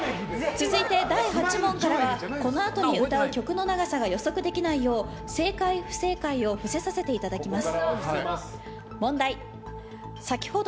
続いて第８問からはこのあとに歌う曲の長さが予測できないよう正解・不正解をふせさせていただきます。